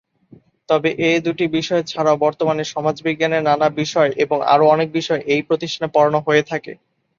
তবে এ দুটি বিষয় ছাড়াও বর্তমানে সমাজবিজ্ঞানের নানা বিষয় এবং আরো অনেক বিষয় এই প্রতিষ্ঠানে পড়ানো হয়ে থাকে।